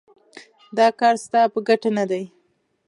دا کار ستا په ګټه نه دی.